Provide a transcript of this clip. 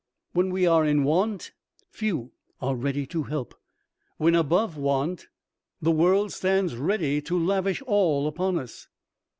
When we are in want, few are ready to help; when above want, the world stands ready to lavish all upon us.